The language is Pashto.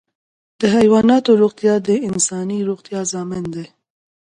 د حیواناتو روغتیا د انساني روغتیا ضامن ده.